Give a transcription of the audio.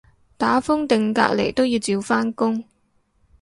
打風定隔離都要照返工